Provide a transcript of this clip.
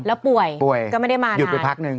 แล้วป่วยก็ไม่ได้มานานหยุดไปพักนึง